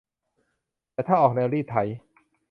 แต่ถ้าออกแนวรีดไถ